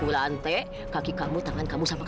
dan gak akan menekan mama lagi